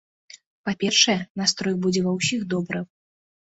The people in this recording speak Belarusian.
Па-першае, настрой будзе ва ўсіх добры.